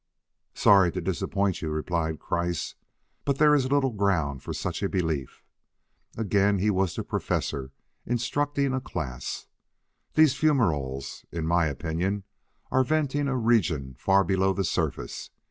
"Sorry to disappoint you," replied Kreiss, "but there is little ground for such a belief." Again he was the professor instructing a class. "These fumeroles, in my opinion, are venting a region far below the surface.